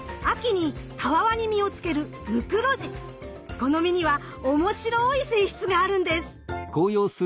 この実には面白い性質があるんです！